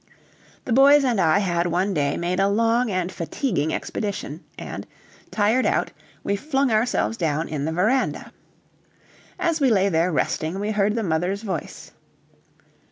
The boys and I had one day made a long and fatiguing expedition, and, tired out, we flung ourselves down in the veranda. As we lay there resting, we heard the mother's voice.